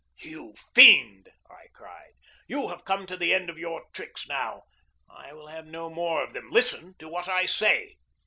"You fiend!" I cried. "You have come to the end of your tricks now. I will have no more of them. Listen to what I say."